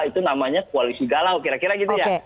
itu namanya koalisi galau kira kira gitu ya